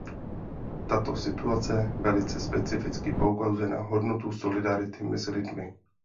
Tato situace velice specificky poukazuje na hodnotu solidarity mezi lidmi.